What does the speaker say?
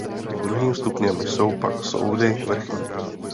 Druhým stupněm jsou pak soudy vrchní.